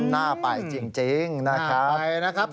น่าไปจริงนะครับ